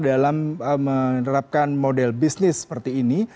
dalam menerapkan model bisnis seperti ini